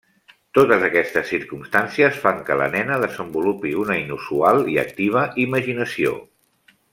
Totes aquestes circumstàncies fan que la nena desenvolupi una inusual i activa imaginació.